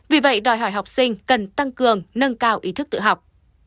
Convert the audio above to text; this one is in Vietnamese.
vì vậy đòi hỏi học sinh cần tăng cường nâng cao ý thức tự học